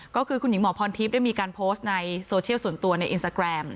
ก็คือคุณหญิงหมอพรทิพย์ได้มีการโพสต์ในโซเชียลส่วนตัวในอินสตาแกรม